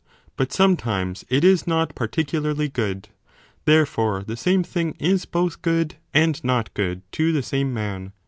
But sometimes it is not particularly good : therefore the same thing is both good and not good to the same man.